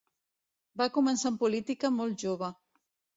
Va començar en política molt jove.